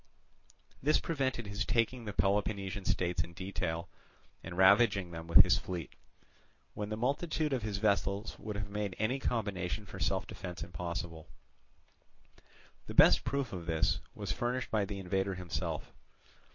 This prevented his taking the Peloponnesian states in detail, and ravaging them with his fleet; when the multitude of his vessels would have made any combination for self defence impossible. The best proof of this was furnished by the invader himself.